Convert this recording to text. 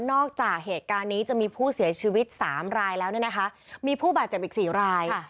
จากเหตุการณ์นี้จะมีผู้เสียชีวิต๓รายแล้วเนี่ยนะคะมีผู้บาดเจ็บอีก๔ราย